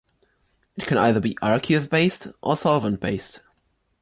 It can be either aqueous based or solvent-based.